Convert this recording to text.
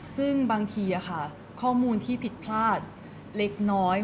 ซึ่งบางทีข้อมูลที่ผิดพลาดเล็กน้อย